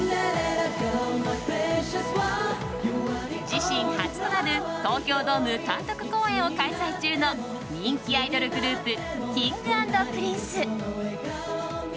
自身初となる東京ドーム単独公演を開催中の人気アイドルグループＫｉｎｇ＆Ｐｒｉｎｃｅ。